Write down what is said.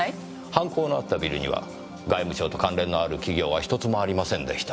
犯行のあったビルには外務省と関連のある企業は１つもありませんでした。